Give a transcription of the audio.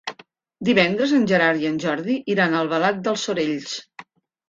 Divendres en Gerard i en Jordi iran a Albalat dels Sorells.